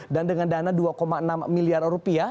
dan dengan dana dua enam miliar rupiah